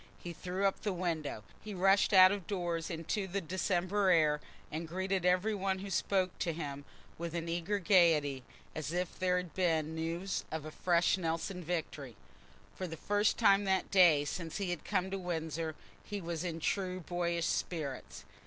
He threw up the windows, he rushed out of doors into the December air, and greeted every one who spoke to him with an eager gaiety, as if there had been news of a fresh Nelson victory. For the first time that day since he had come to Windsor, he was in true boyish spirits.